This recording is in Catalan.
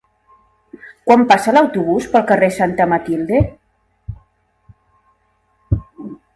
Quan passa l'autobús pel carrer Santa Matilde?